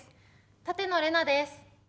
舘野伶奈です。